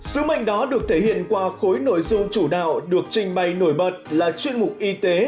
sứ mệnh đó được thể hiện qua khối nội dung chủ đạo được trình bày nổi bật là chuyên mục y tế